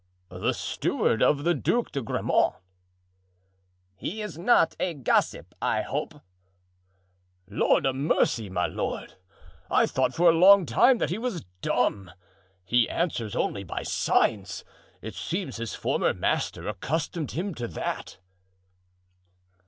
"The steward of the Duc de Grammont." "He is not a gossip, I hope?" "Lord a mercy, my lord! I thought for a long time that he was dumb; he answers only by signs. It seems his former master accustomed him to that."